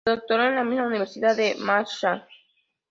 Se doctoró en la misma universidad de Mashhad.